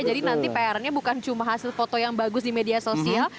jadi nanti pr nya bukan cuma hasil foto yang bagus di media sosial